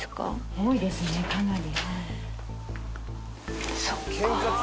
多いですね、かなり。